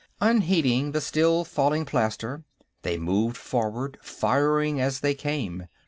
Unheeding the still falling plaster, they moved forward, firing as they came.